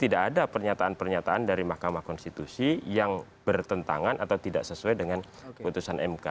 tidak ada pernyataan pernyataan dari mahkamah konstitusi yang bertentangan atau tidak sesuai dengan putusan mk